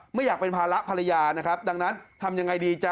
ไม่อยากเป็นภาระภรรยาดังนั้นทำอย่างไรดี